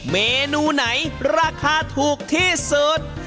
เมนูไหนราคาถูกที่สุด